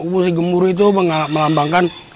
musik gemuruh itu melambangkan